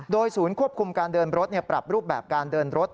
โดยศูนย์ควบคุมการเดินรถปรับรูปแบบการเดินรถ